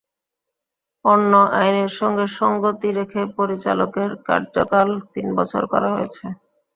অন্য আইনের সঙ্গে সংগতি রেখে পরিচালকের কার্যকাল তিন বছর করা হয়েছে।